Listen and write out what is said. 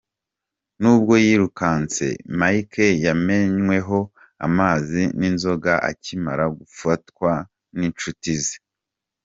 N'ubwo yirukanse Mike yamenweho amazi n'inzoga akimara gufatwa n'inshuti ze.